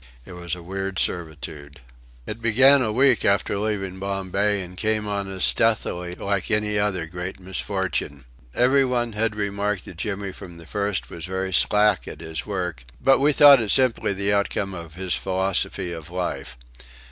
It was a weird servitude. It began a week after leaving Bombay and came on us stealthily like any other great misfortune. Every one had remarked that Jimmy from the first was very slack at his work; but we thought it simply the outcome of his philosophy of life.